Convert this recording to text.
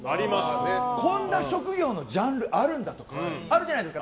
こんな職業のジャンルあるんだとかあるじゃないですか。